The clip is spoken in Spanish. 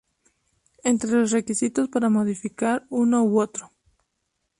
Entre los requisitos para modificar uno u otro.